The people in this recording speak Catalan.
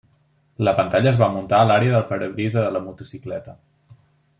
La pantalla es va muntar a l'àrea del parabrisa de la motocicleta.